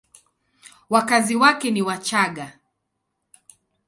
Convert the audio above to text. Wakazi wake ni Wachagga.